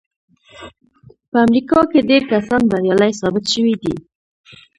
په امريکا کې ډېر کسان بريالي ثابت شوي دي.